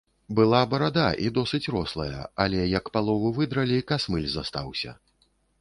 Была барада, і досыць рослая, але як палову выдралі, касмыль застаўся.